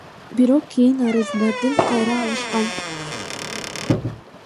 Бирок кийин арыздарын кайра алышкан.